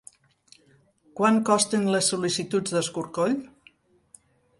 Quant costen les sol·licituds d'escorcoll?